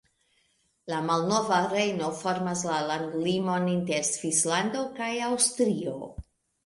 La Malnova Rejno formas la landlimon inter Svislando kaj Aŭstrio.